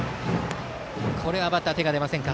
これはバッター手が出ませんか。